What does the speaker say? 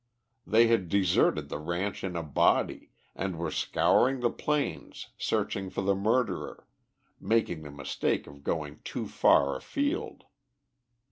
They had deserted the ranch in a body, and were scouring the plains searching for the murderer, making the mistake of going too far afield.